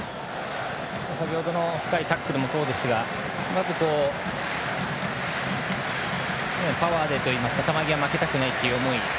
先ほどの深いタックルもそうでしたがまずパワーでといいますか、球際負けたくないという思い。